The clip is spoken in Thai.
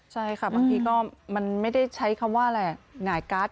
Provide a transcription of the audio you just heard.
ใช่ค่ะบางทีก็มันไม่ได้ใช้คำว่าอะไรหงายการ์ด